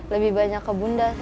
lebih banyak ke bunda